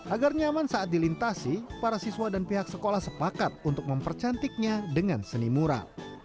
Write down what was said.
agar nyaman saat dilintasi para siswa dan pihak sekolah sepakat untuk mempercantiknya dengan seni mural